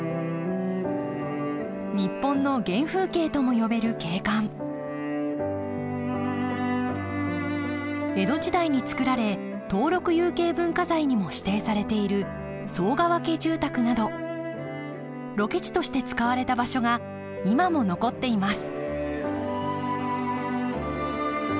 日本の原風景とも呼べる景観江戸時代につくられ登録有形文化財にも指定されている寒川家住宅などロケ地として使われた場所が今も残っています